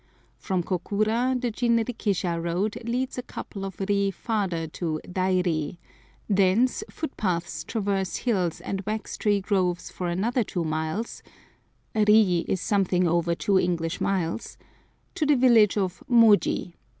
From Kokura the jinrikisha road leads a couple of ri farther to Dairi; thence footpaths traverse hills and wax tree groves for another two miles (a ri is something over two English miles) to the village of Moji.